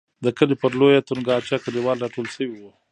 د کلي پر لویه تنګاچه کلیوال را ټول شوي وو.